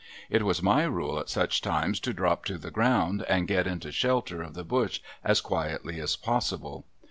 It was my rule at such times to drop to the ground and get into shelter of the brush as quietly as possible.